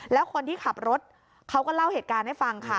แล้วคนที่ขับรถเขาก็เล่าเหตุการณ์ให้ฟังค่ะ